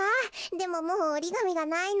でももうおりがみがないの。